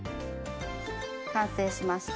完成しました。